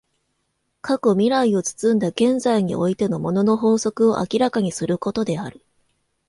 過去未来を包んだ現在においての物の法則を明らかにすることである。